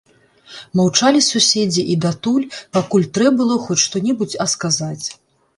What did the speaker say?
Маўчалі суседзі і датуль, пакуль трэ было хоць што-небудзь а сказаць.